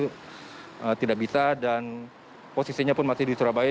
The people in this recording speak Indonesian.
jadi saya tidak bisa dan posisinya pun masih di surabaya